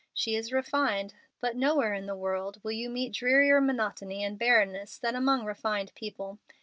She is refined, but nowhere in the world will you meet drearier monotony and barrenness than among refined people.